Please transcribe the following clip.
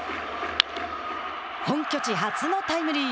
本拠地初のタイムリー。